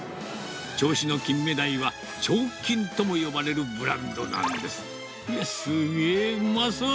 銚子のキンメダイは、銚金とも呼ばれるブランドなんです。